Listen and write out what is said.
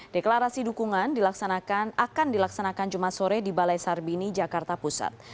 deklarasi dukungan akan dilaksanakan jumat sore di balai sarbini jakarta pusat